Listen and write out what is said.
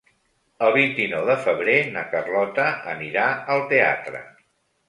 El vint-i-nou de febrer na Carlota anirà al teatre.